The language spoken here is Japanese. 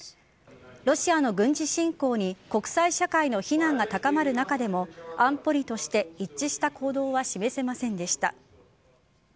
ロシアの軍事侵攻に国際社会の非難が高まる中でも安保理として一致した行動は示せませんでした。